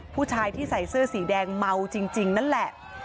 ผู้ชายที่ใส่เสื้อสีแดงเมาจริงนั่นแหละ